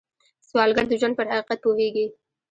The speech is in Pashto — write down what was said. سوالګر د ژوند پر حقیقت پوهېږي